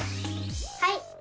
はい！